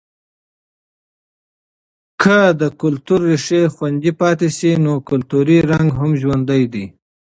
که که د کلتور ریښې خوندي پاتې شي، نو کلتوری رنګ هم ژوندی دی.